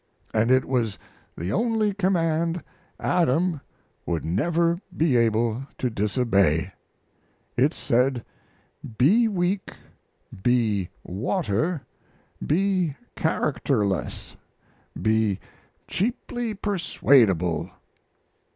And it was the only command Adam would never be able to disobey. It said, "Be weak, be water, be characterless, be cheaply persuadable."